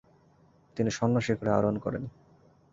তিনি স্বর্ণশিখরে আরোহণ করেন।